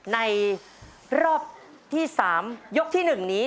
ในรอบที่สามยกที่หนึ่งนี้